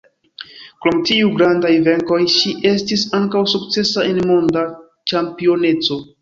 Krom tiuj grandaj venkoj ŝi estis ankaŭ sukcesa en Monda ĉampioneco.